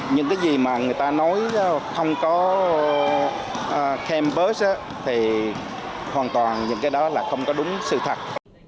những cái gì mà người ta nói không có cam bớ thì hoàn toàn những cái đó là không có đúng sự thật